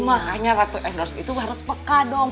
makanya ratu endorse itu harus peka dong